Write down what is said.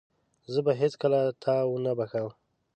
زه به هيڅکله تا ونه بخښم.